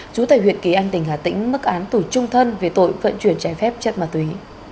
chú thầy huyệt ký an tỉnh hà tĩnh mức án tùy trung thân về tội phận chuyển trái phép chất ma túy